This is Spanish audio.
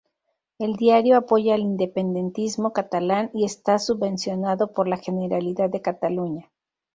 El diario apoya el independentismo catalán y está subvencionado por la Generalidad de Cataluña.